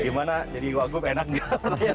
gimana jadi wakup enak nggak